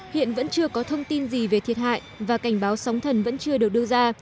hiện vẫn chưa có thông tin gì về thiệt hại và cảnh báo sóng thần vẫn chưa được đưa ra